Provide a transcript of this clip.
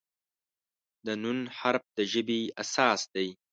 د "ن" حرف د ژبې اساس دی.